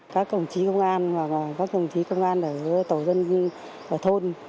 các công chí công an và các công chí công an ở tổ dân thôn